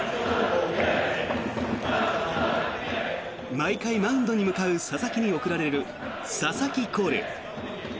毎回、マウンドに向かう佐々木に送られる佐々木コール。